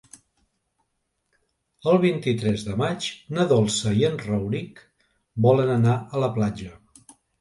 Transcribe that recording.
El vint-i-tres de maig na Dolça i en Rauric volen anar a la platja.